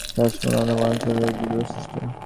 শ্বাসমূল কোন বনাঞ্চলের উদ্ভিদের বৈশিষ্ট্য?